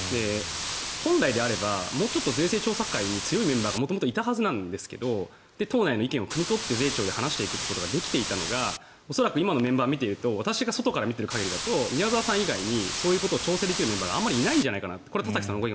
本来であればもうちょっと税制調査会に、強いメンバーが元々いたはずなんですけど党の意見を組み込んで税調の意見を組み立てることはできていたのが恐らく今のメンバーを見ていると私が外から見ている限りだと宮沢さん以外にそういうことを調整できるメンバーがあまりいないんじゃないか。